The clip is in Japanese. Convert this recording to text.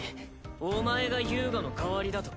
お前が遊我の代わりだと？